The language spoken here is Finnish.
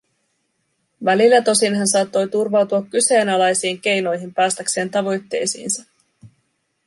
Välillä tosin hän saattoi turvautua kyseenalaisiin keinoihin päästäkseen tavoitteisiinsa.